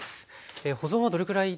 保存はどれくらいですか？